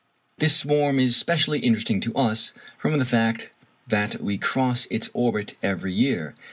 ] This swarm is specially interesting to us from the fact that we cross its orbit every year.